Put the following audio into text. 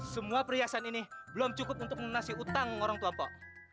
semua perhiasan ini belum cukup untuk melunasi utang orang tua mpok